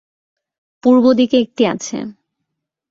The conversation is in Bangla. পূর্ব দিকে একটি আছে।